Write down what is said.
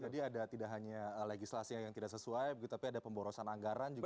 jadi ada tidak hanya legislasi yang tidak sesuai tapi ada pemborosan anggaran juga